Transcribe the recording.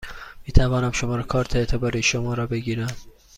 می توانم شماره کارت اعتباری شما را بگیرم؟